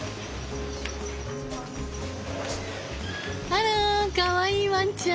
あらかわいいワンちゃん！